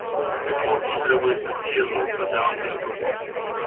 Efortul trebuie să fie însă de ambele părți.